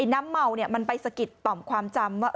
น้ำเมามันไปสะกิดต่อมความจำว่า